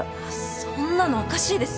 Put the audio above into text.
そんなのおかしいです。